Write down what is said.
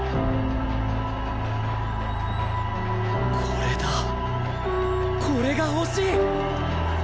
これだこれが欲しい！